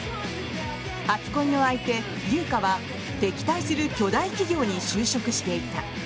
初恋の相手・優香は敵対する巨大企業に就職していた。